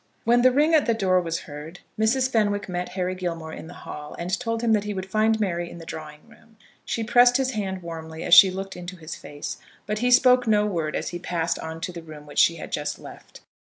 When the ring at the door was heard, Mrs. Fenwick met Harry Gilmore in the hall, and told him that he would find Mary in the drawing room. She pressed his hand warmly as she looked into his face, but he spoke no word as he passed on to the room which she had just left.